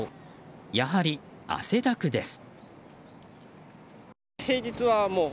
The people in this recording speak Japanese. やはり汗だくです。